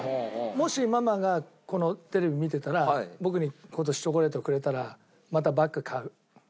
もしママがこのテレビ見てたら僕に今年チョコレートをくれたらまたバッグ買う。